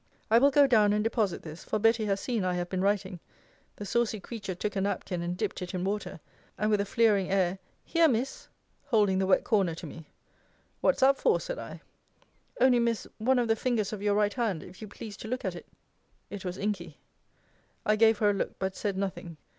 I will go down and deposit this; for Betty has seen I have been writing. The saucy creature took a napkin, and dipt it in water, and with a fleering air, here, Miss; holding the wet corner to me. What's that for? said I. Only, Miss, one of the fingers of your right hand, if you please to look at it. It was inky. I gave her a look; but said nothing.